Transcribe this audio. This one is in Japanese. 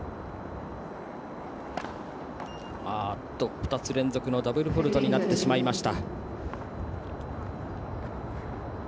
２つ連続のダブルフォールトになってしまいました。